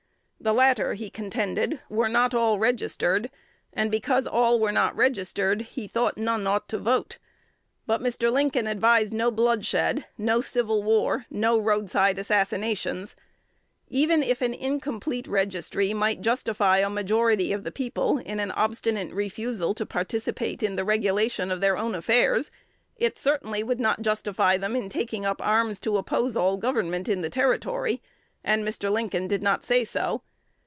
The latter, he contended, were not all registered; and, because all were not registered, he thought none ought to vote. But Mr. Lincoln advised no bloodshed, no civil war, no roadside assassinations. Even if an incomplete registry might justify a majority of the people in an obstinate refusal to participate in the regulation of their own affairs, it certainly would not justify them in taking up arms to oppose all government in the Territory; and Mr. Lincoln did not say so.